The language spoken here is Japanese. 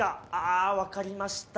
あわかりました。